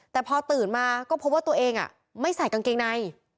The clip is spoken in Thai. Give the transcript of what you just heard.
แต่พอตื่นมาก็พบว่าตัวเองไม่ใส่กางเกงใน